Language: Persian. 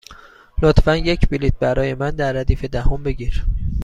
لطفا یک بلیط برای من در ردیف دهم بگیر.